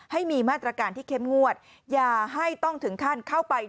ให้มีมาตรการที่เข้มงวดอย่าให้ต้องถึงขั้นเข้าไป